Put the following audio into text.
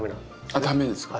あっ駄目ですか。